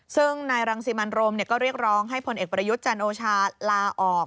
ซึ่งนายรังสิมันโรมก็เรียกร้องให้ผลเอกประยุทธ์จันโอชาลาออก